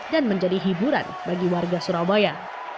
dan menjadi hiburan bagi warga surabaya